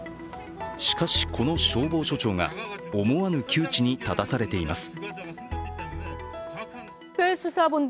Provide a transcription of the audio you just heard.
しかし、この消防署長が思わぬ窮地に立たされています。